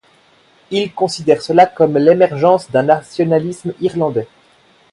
Il considère cela comme l'émergence d'un nationalisme irlandais.